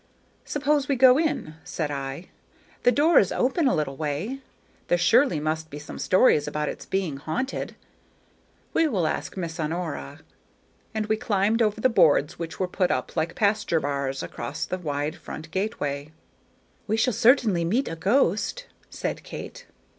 "Suppose we go in," said I; "the door is open a little way. There surely must be some stories about its being haunted. We will ask Miss Honora." And we climbed over the boards which were put up like pasture bars across the wide front gateway. "We shall certainly meet a ghost," said Kate.